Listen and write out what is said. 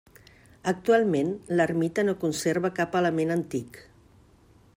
Actualment l'ermita no conserva cap element antic.